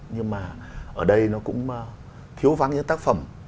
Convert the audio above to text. nhưng mà ở đây nó cũng thiếu vắng những tác phẩm